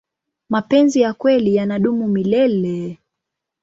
mapenzi ya kweli yanadumu milele